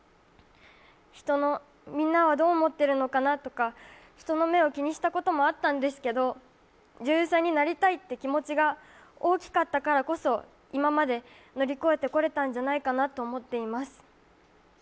みんなはどう思っているのかなとか、人の目を気にしたこともあったんですけども女優さんになりたいって気持ちが大きかったからこそ今まで乗り越えてこれたんじゃないかなと思います。